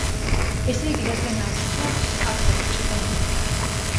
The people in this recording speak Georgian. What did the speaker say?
ესე იგი, რადგან ათი გვაქვს, აქ დაგვრჩება.